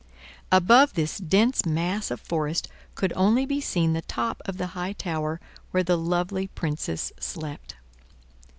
Above this dense mass of forest could only be seen the top of the high tower where the lovely Princess slept.